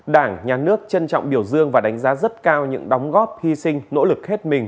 đảng nhà nước trân trọng biểu dương và đánh giá rất cao những đóng góp hy sinh nỗ lực hết mình